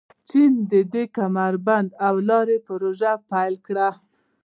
چین د کمربند او لارې پروژه پیل کړه.